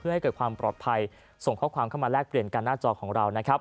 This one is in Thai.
ให้เกิดความปลอดภัยส่งข้อความเข้ามาแลกเปลี่ยนกันหน้าจอของเรานะครับ